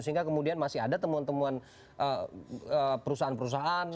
sehingga kemudian masih ada temuan temuan perusahaan perusahaan